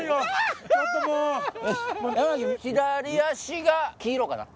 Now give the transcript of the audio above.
山崎左足が黄色かな。